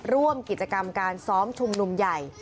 ร่วมกิจกรรมการซ้อมชุมนุมใหญ่